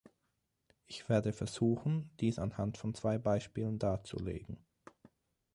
Ich werde versuchen, dies anhand von zwei Beispielen darzulegen.